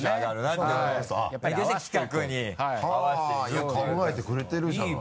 よく考えてくれてるじゃない。